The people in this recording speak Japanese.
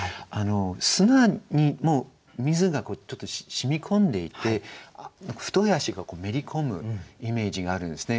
砂にもう水がちょっと染み込んでいて太い脚がめり込むイメージがあるんですね